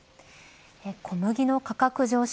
小麦の価格上昇